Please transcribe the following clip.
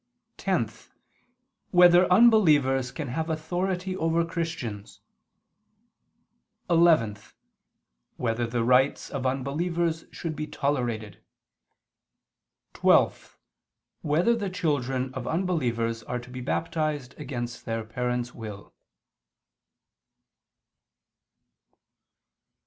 (10) Whether unbelievers can have authority over Christians? (11) Whether the rites of unbelievers should be tolerated? (12) Whether the children of unbelievers are to be baptized against their parents' will?